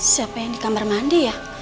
siapa yang di kamar mandi ya